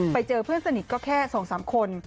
ไปเจอเพื่อนสนิทก็แค่สองสามคน